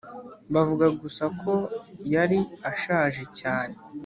bavuga gusa ko yari ashaje cyane.